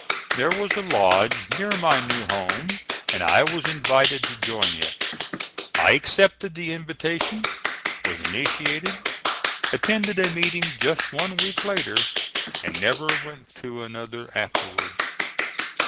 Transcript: There was a lodge near my new home, and I was invited to join it. I accepted the invitation; was initiated; attended a meeting just one week later, and never went to another afterwards.